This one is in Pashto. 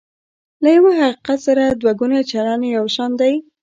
له یوه حقیقت سره دوه ګونی چلند یو شان دی.